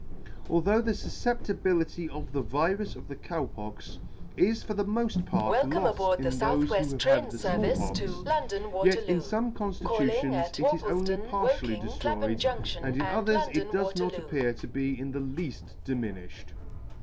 Although the fufeeptibility of the virus of the Cow Pox is for the molt part loft in thofe who have had the Small Pox, yet in fome conftitutions it is only partially deflroyed, and in others it does not appear to be in the leafl diminiffied.